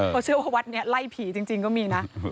เขาเชื่อว่าวัดนี้ไล่ผีจริงก็มีนะ